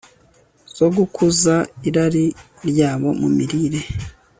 zo gukuza irari ryabo mu mirire